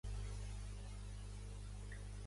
El gran perill és l’abstenció.